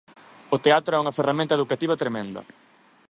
O teatro é unha ferramenta educativa tremenda.